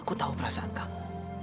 aku tahu perasaan kamu